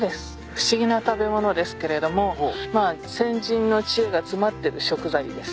不思議な食べ物ですけれどもまあ先人の知恵が詰まってる食材です。